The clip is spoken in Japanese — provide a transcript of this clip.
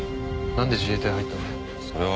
何で自衛隊入ったんだよ。